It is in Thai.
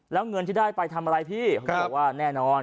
แล้วเงินที่ได้ไปทำอะไรพี่เขาก็บอกว่าแน่นอน